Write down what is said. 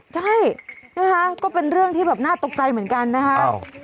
ใช่นะคะก็เป็นเรื่องที่แบบน่าตกใจเหมือนกันนะคะ